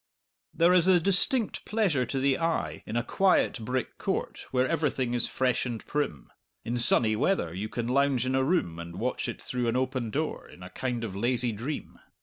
There is a distinct pleasure to the eye in a quiet brick court where everything is fresh and prim; in sunny weather you can lounge in a room and watch it through an open door, in a kind of lazy dream.